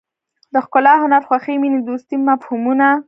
د ښکلا هنر خوښۍ مینې دوستۍ مفهومونه.